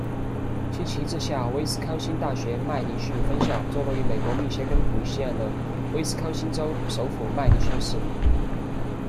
其旗帜校威斯康星大学麦迪逊分校坐落于美国密歇根湖西岸的威斯康星州首府麦迪逊市。